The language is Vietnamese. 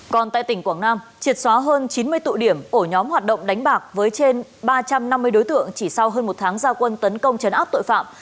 còn tại tỉnh quảng nam triệt xóa hơn chín mươi tụ điểm ổ nhóm hoạt động đánh bạc với trên ba trăm năm mươi đối tượng chỉ sau hơn một tháng gia quân tấn công chấn áp tội phạm